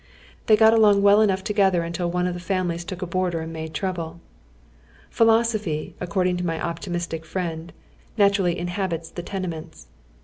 They got along well enough together until one of the families took a boarder and made trouble. Philosophj', according to my optimistic friend, naturally inhabits the tenements.